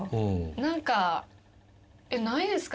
何かないですか？